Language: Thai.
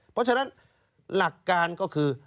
เพราะฉะนั้นหลักการก็คือ